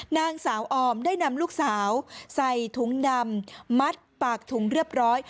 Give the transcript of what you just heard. นางสาวออมได้นำลูกสาวใส่ถุงดำมัดปากถุงเรียบร้อย